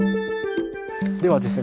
ではですね